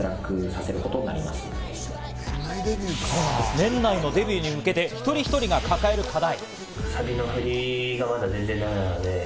年内のデビューに向けて一人一人が抱える課題。